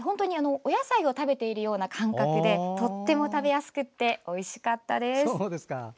お野菜を食べているような感覚でとっても食べやすくておいしかったです。